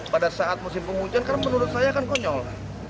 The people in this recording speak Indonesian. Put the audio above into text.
pada saat musim hujan kan menurut saya kan konyol